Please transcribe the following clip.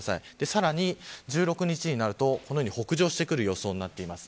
さらに１６日になるとこのように北上してくる予想になっています。